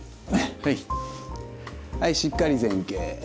はいしっかり前傾。